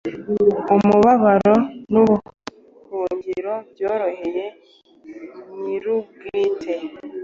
Umubabaro nubuhungiro byoroheye nyirubwite